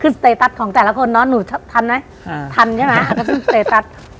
ขึ้นสเตตัสของแต่ละคนเนอะหนูทันไหมอ่าทันใช่ไหมอ่าก็ขึ้นสเตตัส